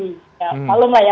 ya malumlah ya